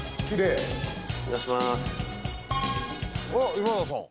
今田さん。